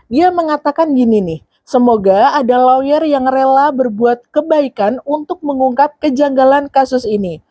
dia mengatakan gini nih semoga ada lawyer yang rela berbuat kebaikan untuk mengungkap kejanggalan kasus ini